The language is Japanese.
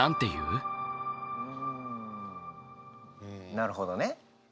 なるほどね。